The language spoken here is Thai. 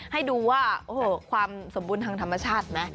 ให้ดูว่าความสมบูรณ์ทางธรรมชาตินะ